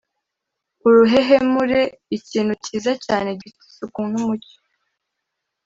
. Uruhehemure: Ikintu kiza cyane gifite isuku n’umucyo.